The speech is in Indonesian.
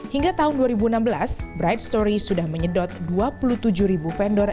hingga tahun dua ribu enam belas bright story sudah menyedot dua puluh tujuh ribu vendor